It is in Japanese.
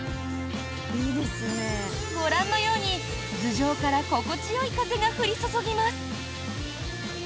ご覧のように頭上から心地よい風が降り注ぎます。